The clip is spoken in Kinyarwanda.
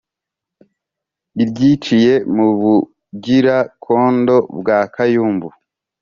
iryiciye mu bugira-condo bwa kayumbu.